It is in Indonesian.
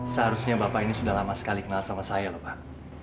seharusnya bapak ini sudah lama sekali kenal sama saya lho pak